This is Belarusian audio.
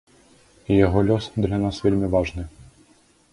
І яго лёс для нас вельмі важны.